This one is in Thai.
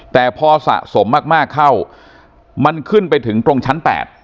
แต่พอสะสมมากเข้ามันขึ้นไปถึงตรงชั้น๘